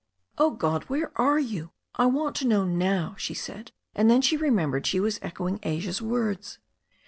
"Oh, God, where are you? I want to know now," she said, and then she remembered she was echoing Asia's words.